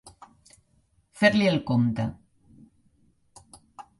Fer-li el compte.